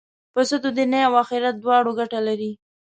پسه د دنیا او آخرت دواړو ګټه لري.